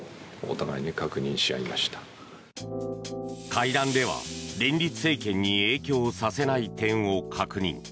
会談では、連立政権に影響させない点を確認。